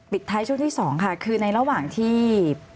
ท้ายช่วงที่๒ค่ะคือในระหว่างที่